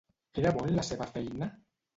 Era bo en la seva feina?